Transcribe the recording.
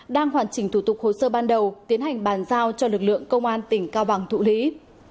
đang hoàn chỉnh thủ tục hồ sơ ban đầu tiến hành bàn giao cho lực lượng công an tỉnh cao bằng thụ lý